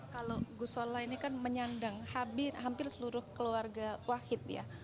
kalau gusola ini kan menyandang hampir seluruh keluarga wahid ya